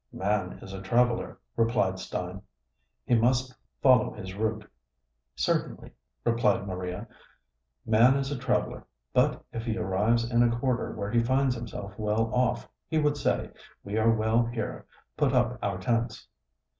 "Man is a traveler," replied Stein; "he must follow his route." "Certainly," replied Maria, "man is a traveler; but if he arrives in a quarter where he finds himself well off, he would say, 'We are well here; put up our tents.'"